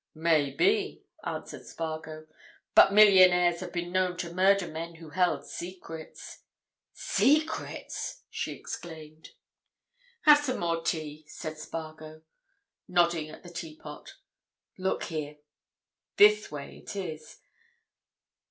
"May be," answered Spargo. "But millionaires have been known to murder men who held secrets." "Secrets!" she exclaimed. "Have some more tea," said Spargo, nodding at the teapot. "Look here—this way it is.